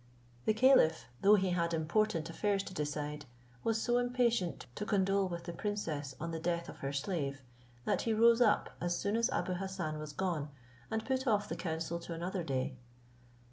The caliph, though he had important affairs to decide, was so impatient to condole with the princess on the death of her slave, that he rose up as soon as Abou Hassan was gone, and put off the council to another day.